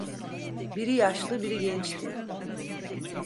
Biri yaşlı, biri gençti.